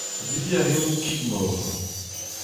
Debriñ a reomp kig-moc'h.